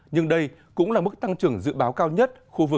nhưng đây cũng là mức tăng trưởng dự báo cao nhất